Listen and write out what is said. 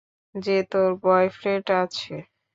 যে তোর বয়ফ্রেন্ড আছে?